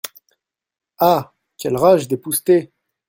Ah ! quelle rage d’épousseter !